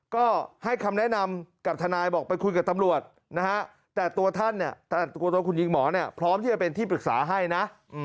ก็ให้คำแนะนำกับทนายบอกไปคุยกับตำรวจแต่ตัวตัวคุณหญิงหมอพร้อมที่จะเป็นที่ปรึกษาให้นะ